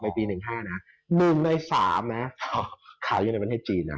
ในปี๒๐๑๕นะครับ๑ใน๓นะฮะขายอยู่ในประเทศจีนนะ